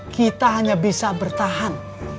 kita hanya bisa bertahan